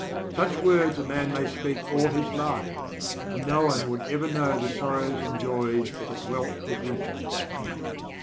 Such words a man may speak all his life and no one would ever know the sorrows and joys that dwelt within him.